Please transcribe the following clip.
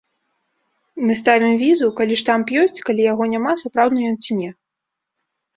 Мы ставім візу, калі штамп ёсць, калі яго няма, сапраўдны ён ці не.